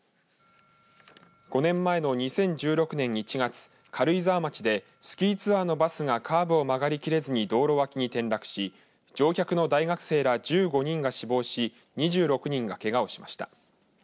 ５年前の２０１６年１月軽井沢町でスキーツアーのバスがカーブを曲がりきれずに道路脇に転落し乗客の大学生ら１５人が死亡し２６人がけがをしました。